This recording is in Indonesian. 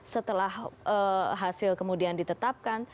setelah hasil kemudian ditetapkan